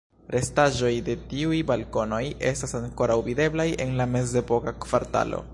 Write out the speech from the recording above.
Restaĵoj de tiuj balkonoj estas ankoraŭ videblaj en la mezepoka kvartalo.